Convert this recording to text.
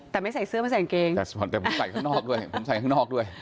แต่ไม่ใส่เสื้อไม่ใส่กางเกงแต่ส่วนแต่ผมใส่ข้างนอกด้วยผมใส่ข้างนอกด้วย